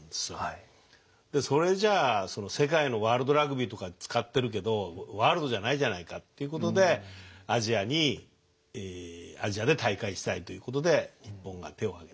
それじゃあ世界のワールドラグビーとか使ってるけどワールドじゃないじゃないかっていうことでアジアにアジアで大会したいということで日本が手をあげた。